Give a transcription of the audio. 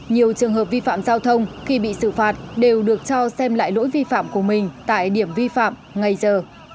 nhiều trường hợp vi phạm giao thông khi bị xử phạt đều được cho xem lại lỗi vi phạm của mình tại điểm vi phạm ngay giờ